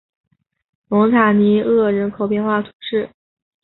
蒙塔尼厄人口变化图示